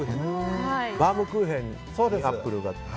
バウムクーヘンにアップルが。